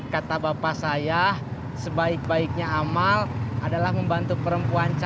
kata bapak saya sebaik baiknya amal adalah membantu perempuan